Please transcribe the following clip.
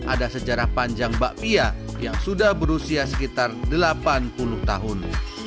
ada sejarah panjang bakpia yang sudah berusia sekitar delapan puluh tahun